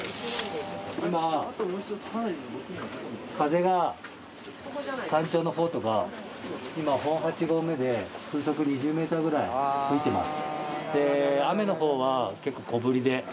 今風が山頂の方とか今本８合目で風速２０メーターぐらい吹いてます。